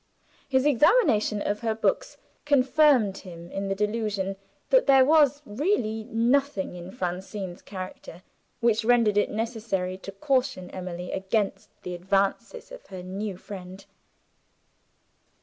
His examination of her books confirmed him in the delusion that there was really nothing in Francine's character which rendered it necessary to caution Emily against the advances of her new friend.